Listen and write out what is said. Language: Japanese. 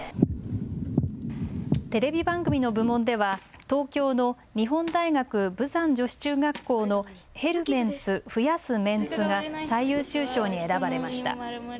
テレビ番組の部門では東京の日本大学豊山女子中学校のヘルメンツ増やすメンツが最優秀賞に選ばれました。